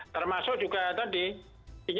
termasuk juga tadi